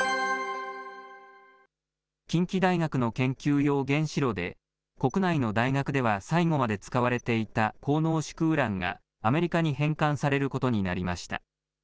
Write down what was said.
近畿大学の研究用原子炉で、国内の大学では最後まで使われていた高濃縮ウランが、アメリカに返還されることになりました。